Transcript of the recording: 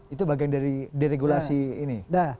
itu bagian dari deregulasi ini